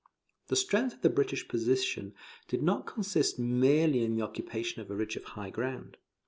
The strength of the British position did not consist merely in the occupation of a ridge of high ground.